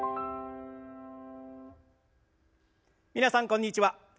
皆さんこんにちは。